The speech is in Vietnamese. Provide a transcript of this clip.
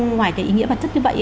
ngoài cái ý nghĩa vật chất như vậy